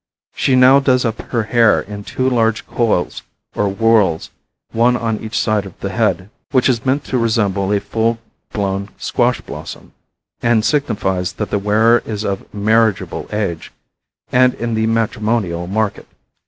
She now does up her hair in two large coils or whorls, one on each side of the head, which is meant to resemble a full blown squash blossom and signifies that the wearer is of marriageable age and in the matrimonial market.